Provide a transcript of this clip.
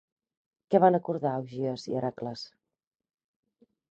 Què van acordar Augies i Hèracles?